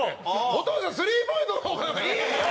お父さん、スリーポイントの方がいいよ！